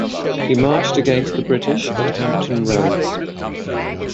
He marched against the British at Hampton Roads.